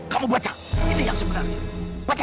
kamu baca ini yang sebenarnya